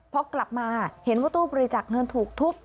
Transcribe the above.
พอกลับมาเห็นว่าตู้บริจาคเงินถูกทุบ